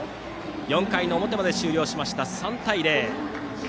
４回の表まで終了しました３対０。